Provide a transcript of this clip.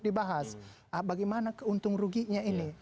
dibahas bagaimana keuntungan ruginya ini